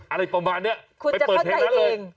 อะไรประมาณนี้ไปเปิดเพลงนั้นเลย